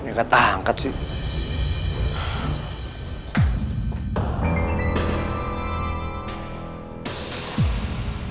nih gak tangkat sih